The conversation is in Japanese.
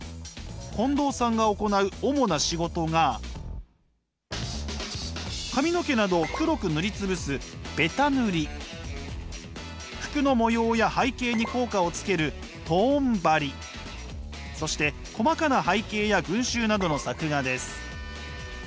近藤さんが行う主な仕事が髪の毛などを黒く塗り潰すベタ塗り服の模様や背景に効果をつけるトーン貼りそして細かな背景や群集などの作画です。